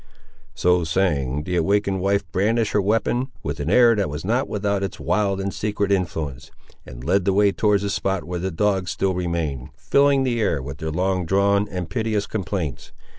So saying, the awakened wife brandished her weapon, with an air that was not without its wild and secret influence, and led the way towards the spot where the dogs still remained, filling the air with their long drawn and piteous complaints.